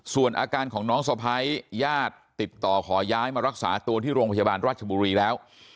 ส่วนอาการของน้องสะพ้ายญาติติดต่อขอย้ายมารักษาตัวที่โรงพยาบาลราชบุรีแล้ว